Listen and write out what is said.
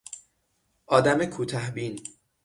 آدم کوته بین